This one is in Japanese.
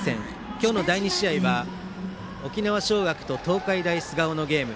今日の第２試合は沖縄尚学と東海大菅生のゲーム。